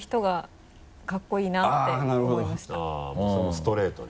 ストレートにね。